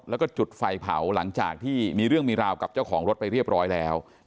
แล้วก็จุดไฟเผาหลังจากที่มีเรื่องมีราวกับเจ้าของรถไปเรียบร้อยแล้ว